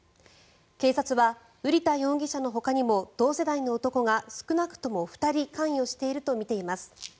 警察は瓜田容疑者のほかにも同世代の男が少なくとも２人関与しているとみています。